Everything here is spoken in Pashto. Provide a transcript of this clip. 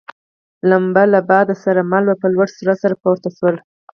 لمبه له باده سره مله په لوړ سرعت سره پورته شول.